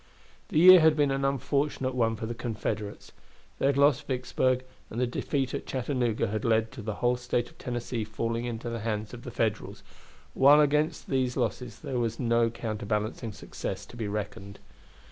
The year had been an unfortunate one for the Confederates. They had lost Vicksburg, and the defeat at Chattanooga had led to the whole State of Tennessee falling into the hands of the Federals, while against these losses there was no counterbalancing success to be reckoned.